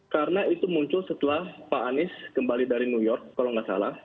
karena itu muncul setelah pak anies kembali dari new york kalau nggak salah